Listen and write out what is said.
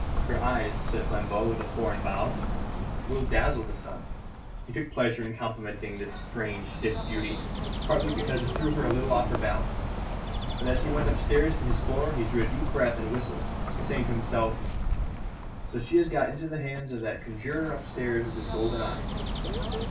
"Your eyes," said Flambeau, with a foreign bow, "will dazzle the sun." He took pleasure in complimenting this strange stiff beauty, partly because it threw her a little off her balance. But as he went upstairs to his floor he drew a deep breath and whistled, saying to himself: "So she has got into the hands of that conjurer upstairs with his golden eye."